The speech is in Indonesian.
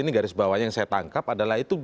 ini garis bawahnya yang saya tangkap adalah itu